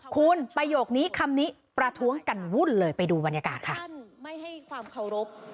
คุณประโยคนี้คำนี้ประท้วงกันวุ่นเลยไปดูบรรยากาศค่ะ